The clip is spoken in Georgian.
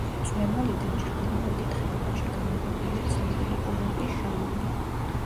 მწვერვალიდან ჩრდილოეთით ხეობაში განლაგებულია ცნობილი კურორტი შამონი.